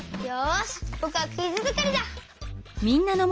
ぼくはクイズづくりだ！